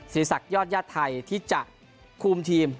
ศิริษักรณ์ยอดย่าไทยที่จะคุมทีม